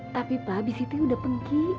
tapi pak bisiti udah pergi